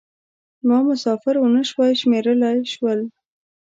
ما مسافر و نه شوای شمېرلای شول.